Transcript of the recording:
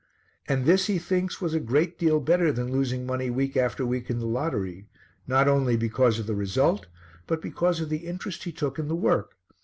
And this he thinks was a great deal better than losing money week after week in the lottery, not only because of the result, but because of the interest he took in the work.